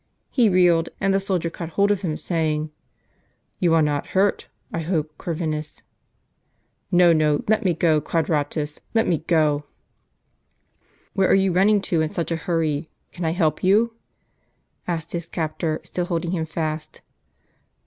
He reeled, and the soldier caught hold of him, saying: " You are not hurt, I hope, Corvinus ?" "No, no; let me go, Quadratus, let me go." " Where are you running to in such a hurry ? can I help you? " asked his captor, still holding him fast.